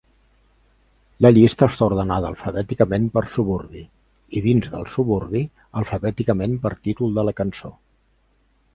La llista està ordenada alfabèticament per suburbi i, dins del suburbi, alfabèticament per títol de la cançó.